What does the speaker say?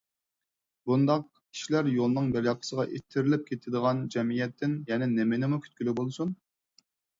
بۇنداق كىشىلەر يولنىڭ بىر ياقىسىغا ئىتتىرىلىپ كىتىدىغان جەمئىيەتتىن يەنە نېمىمۇ كۈتكىلى بولسۇن!